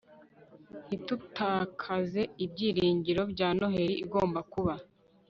ntitutakaze ibyiringiro bya noheri igomba kuba